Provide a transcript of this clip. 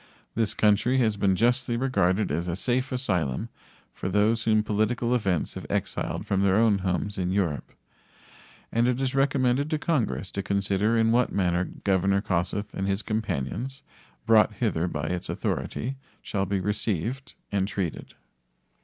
This country has been justly regarded as a safe asylum for those whom political events have exiled from their own homes in Europe. and it is recommended to Congress to consider in what manner Governor Kossuth and his companions, brought hither by its authority, shall be received and treated.